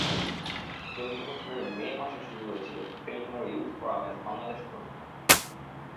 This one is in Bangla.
চলতি বছরের মে মাসে শুরু হয়েছিল টেলিনর ইয়ুথ ফোরামের বাংলাদেশ পর্ব।